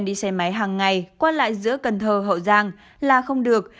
hãy hàng ngày qua lại giữa cần thơ hậu giang là không được